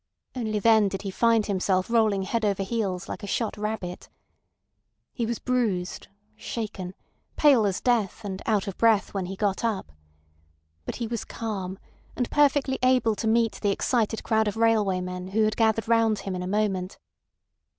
Only then did he find himself rolling head over heels like a shot rabbit. He was bruised, shaken, pale as death, and out of breath when he got up. But he was calm, and perfectly able to meet the excited crowd of railway men who had gathered round him in a moment.